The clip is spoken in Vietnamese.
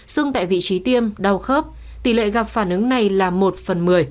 sưng tại vị trí tiêm đau khớp tỷ lệ gặp phản ứng này là một phần một mươi